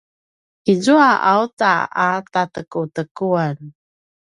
izua auta a tatekutekuan